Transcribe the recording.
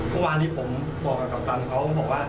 เมื่อวานที่ผมบอกกับกัปตันเขาบอกว่า